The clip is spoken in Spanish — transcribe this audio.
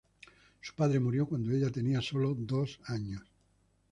Su padre murió cuando ella tenía solo dos años.